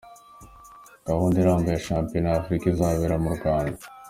Gahunda irambuye ya shampiyona ya Africa izabera mu Rwanda.